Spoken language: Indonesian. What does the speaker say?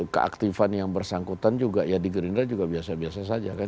keaktifan yang bersangkutan juga ya di gerindra juga biasa biasa saja kan